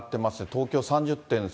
東京３０．３度。